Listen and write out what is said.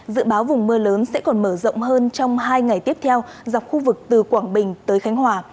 dự báo vùng mưa lớn sẽ còn mở rộng hơn trong hai ngày tiếp theo dọc khu vực từ quảng bình tới khánh hòa